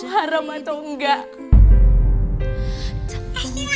haram atau enggak